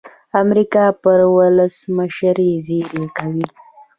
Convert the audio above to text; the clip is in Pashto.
امریکا پر ولسمشر زېری کوي.